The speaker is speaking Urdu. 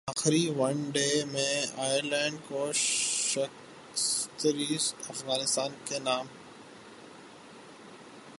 اخری ون ڈے میں ائرلینڈ کو شکستسیریز افغانستان کے نام